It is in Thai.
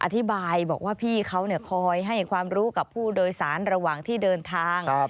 อธิบายบอกว่าพี่เขาคอยให้ความรู้กับผู้โดยสารระหว่างที่เดินทาง